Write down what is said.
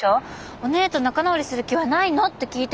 おねぇと仲直りする気はないのって聞いてるの。